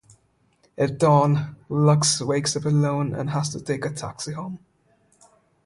At dawn, Lux wakes up alone and has to take a taxi home.